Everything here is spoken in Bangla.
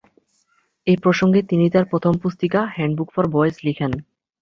এ প্রসঙ্গে তিনি তার প্রথম পুস্তিকা 'হ্যান্ডবুক ফর বয়েজ' লিখেন।